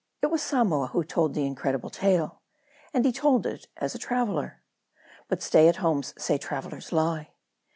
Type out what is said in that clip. IT was Samoa, who told the incredible tale ; and he told it as a traveler. But stay at homes say travelers lie.